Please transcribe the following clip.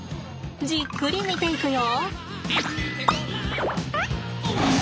じっくり見ていくよ。